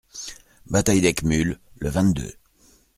Bataille d'Eckmülh, le vingt-deux.